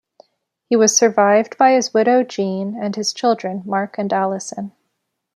He was survived by his widow, Jean, and his children Mark and Alison.